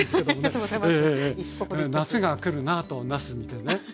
夏が来るなとなす見てね。